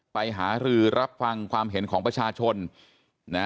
หารือรับฟังความเห็นของประชาชนนะ